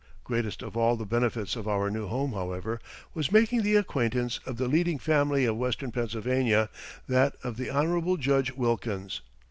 Greatest of all the benefits of our new home, however, was making the acquaintance of the leading family of Western Pennsylvania, that of the Honorable Judge Wilkins.